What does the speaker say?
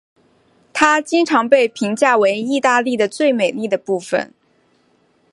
它经常被评价为意大利的最美丽的部分。